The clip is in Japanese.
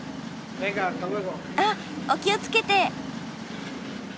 あっお気をつけて。